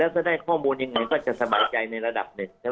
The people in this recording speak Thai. ถ้าได้ข้อมูลยังไงก็จะสบายใจในระดับหนึ่งใช่ไหม